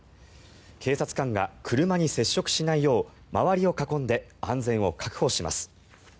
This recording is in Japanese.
警察官が車に接触しないよう周りを囲んで安全を確保します。